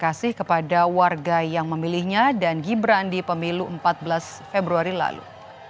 terima kasih kepada warga yang memilihnya dan gibran di pemilu empat belas februari lalu